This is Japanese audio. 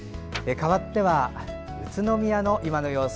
かわっては宇都宮の今の様子。